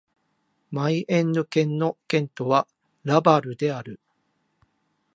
マイエンヌ県の県都はラヴァルである